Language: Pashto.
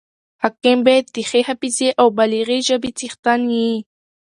حاکم باید د ښې حافظي او بلیغي ژبي څښتن يي.